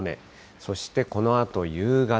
そしてこのあと夕方。